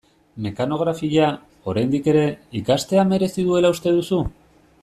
Mekanografia, oraindik ere, ikastea merezi duela uste duzu?